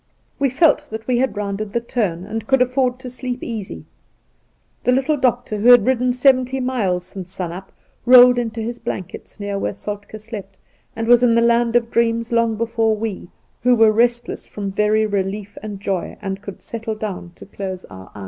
We felt that we had rounded the turn, and could afford to sleep easy. The little doctor, who had ridden seventy miles since sun up, rolled into his blankets near where Soltk^ slept', and was in the land of dreams long before we, who were restless from very relief and joy, could settle down to close our eyes.